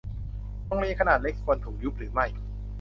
โรงเรียนขนาดเล็ก ควรถูกยุบหรือไม่